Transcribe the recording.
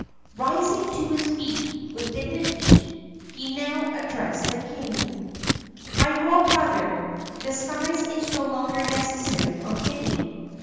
Rising to his feet, with dignity he now addressed the king: "My royal brother, disguise is no longer necessary or fitting.